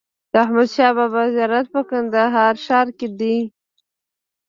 د احمدشاه بابا زيارت په کندهار ښار کي دئ.